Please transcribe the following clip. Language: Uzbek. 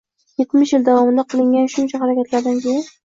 Yetmish yil davomida qilingan shuncha harakatlardan keyin